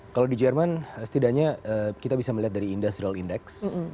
kalau di jerman setidaknya kita bisa melihat dari industrial index